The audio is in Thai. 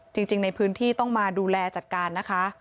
จริงในพื้นที่ต้องมาดูแลจัดการนะคะ